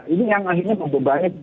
ini yang akhirnya memperbaiki